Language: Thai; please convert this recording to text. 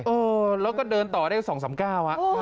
โอ้เราก็เดินต่อได้๒๓ก้าว